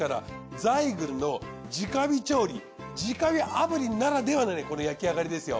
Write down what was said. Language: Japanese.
ザイグルの直火調理直火炙りならではのこの焼き上がりですよ。